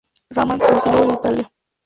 Rahman se asiló en Italia.